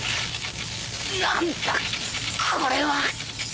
何だこれは